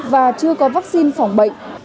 và chưa có vaccine phòng bệnh